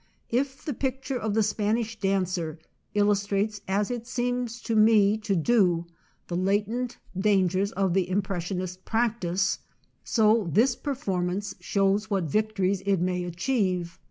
If the pic ture of the Spanish dancer illustrates, as it seems to me to do, the latent dangers of the Impressionist practice, so this finer JOHN S. SARGENT. 689 performance shows what victories it may achieve.